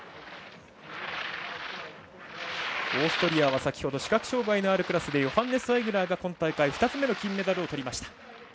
オーストリアは先ほど視覚障がいのあるクラスでヨハンネス・アイグナーが今大会２つ目の金メダルをとりました。